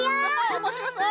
おもしろそう！